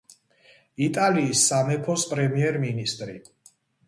იტალიის სამეფოს პრემიერ-მინისტრი.